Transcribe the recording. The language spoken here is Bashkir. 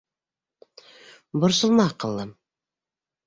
Борсолма, аҡыллым.